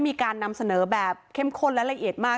มีการนำเสนอแบบเข้มข้นและละเอียดมาก